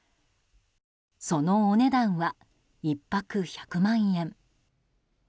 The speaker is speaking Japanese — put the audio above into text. そのお値段は、１泊１００万円。